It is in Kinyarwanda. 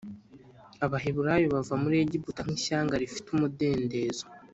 ’ Abaheburayo bava muri Egiputa nk’ishyanga rifite umudendezo.